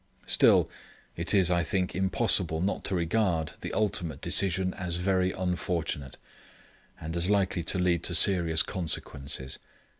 Still, it is I think impossible not to regard the ultimate decision as very unfortunate, and as likely to lead to serious consequences.